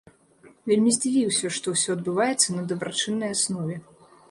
Вельмі здзівіўся, што ўсё адбываецца на дабрачыннай аснове.